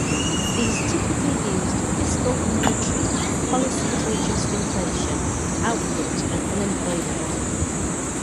These typically used fiscal and monetary policy to adjust inflation, output and unemployment.